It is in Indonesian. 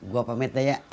gua pamit dah ya